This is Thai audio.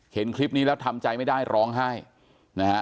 เห็นคลิปนี้แล้วทำใจไม่ได้ร้องไห้นะฮะ